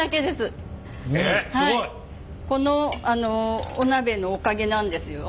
このお鍋のおかげなんですよ。